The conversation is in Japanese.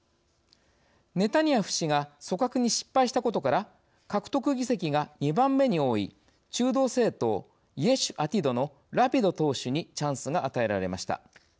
ネタニヤフ氏が組閣に失敗したことから獲得議席が２番目に多い中道政党イェシュアティドのラピド党首にチャンスが与えられました。